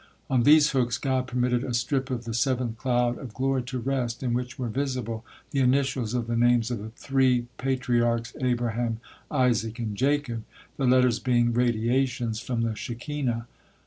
On these hooks God permitted a strip of the seventh cloud of glory to rest, in which were visible the initials of the names of the three Patriarchs, Abraham, Isaac, and Jacob, the letters being radiations from the Shekinah.